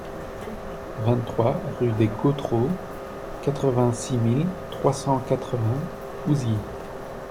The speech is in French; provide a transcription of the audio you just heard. vingt-trois rue des Gautreaux, quatre-vingt-six mille trois cent quatre-vingts Ouzilly